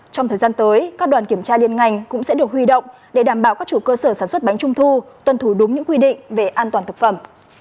trong thời gian tới các đoàn kiểm tra liên ngành cũng sẽ được huy động để đảm bảo các chủ cơ sở sản xuất bánh trung thu tuân thủ đúng những quy định về an toàn thực phẩm